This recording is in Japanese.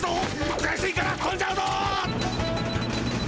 くやしいからとんじゃうぞ！